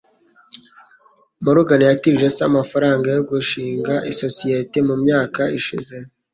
Morgan yatije se amafaranga yo gushinga isosiyete mu myaka ishize